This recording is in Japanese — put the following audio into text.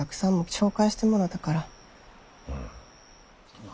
うん。